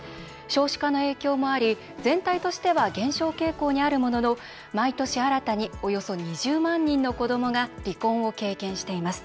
少子化の影響もあり全体としては減少傾向にあるものの毎年、新たにおよそ２０万人の子どもが離婚を経験しています。